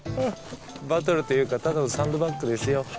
バトルというかただのサンドバッグですよ